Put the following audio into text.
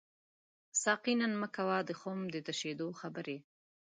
ساقي نن مه کوه د خُم د تشیدو خبري